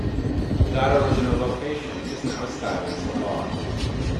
That original location is now a styling salon.